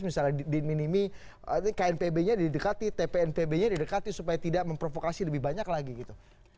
misalnya diminimi knpb nya didekati tpnpb nya didekati supaya tidak memprovokasi lebih banyak lagi gitu